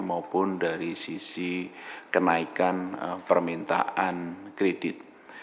maupun dari sisi kenaikan permintaan kredit